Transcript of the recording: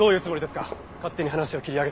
勝手に話を切り上げて。